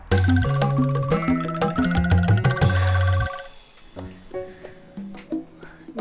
kalau dia sudah siap